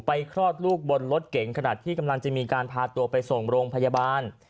คลอดลูกบนรถเก่งขนาดที่กำลังจะมีการพาตัวไปส่งโรงพยาบาล